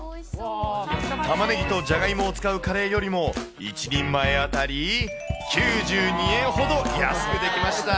たまねぎとじゃがいもを使うカレーよりも、１人前当たり９２円ほど安く出来ました。